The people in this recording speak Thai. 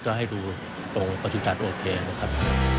ก็ให้ดูตรงปศุสัตว์โอเคนะครับ